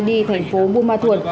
đi thành phố bù ma thuột